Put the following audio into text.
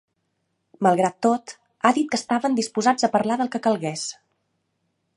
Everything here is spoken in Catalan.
Malgrat tot, ha dit que estaven disposats a parlar del que calgués.